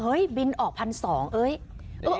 เฮ้ยบินกายออก๑๒๐๐บาท